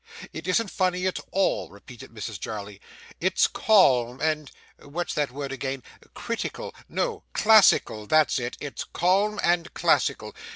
'It isn't funny at all,' repeated Mrs Jarley. 'It's calm and what's that word again critical? no classical, that's it it's calm and classical.